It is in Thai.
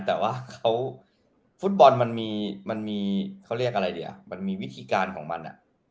แต่ว่าฟุตบอลมันมีวิธีการของมัน